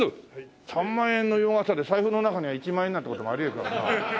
３万円の洋傘で財布の中には１万円なんて事もあり得るからなあ。